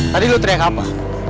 tadi lo teriak apa